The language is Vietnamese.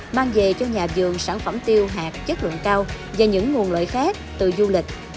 mang về cho nhà vườn sản phẩm tiêu hạt chất lượng cao và những nguồn lợi khác từ du lịch